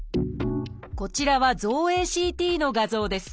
こちらは造影ＣＴの画像です。